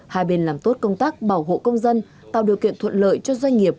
hai bên làm tốt công tác bảo hộ công dân tạo điều kiện thuận lợi cho doanh nghiệp